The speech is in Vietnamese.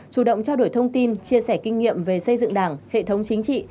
chủ động trao đổi thông tin chia sẻ kinh nghiệm về xây dựng đảng hệ thống chính trị